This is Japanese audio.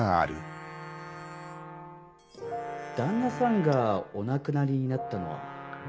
旦那さんがお亡くなりになったのは。